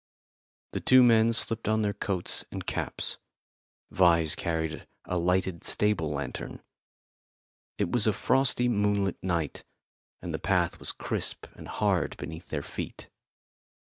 The two men slipped on their coats and caps. Vyse carried a lighted stable lantern. It was a frosty moonlit night, and the path was crisp and hard beneath their feet.